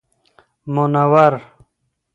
منور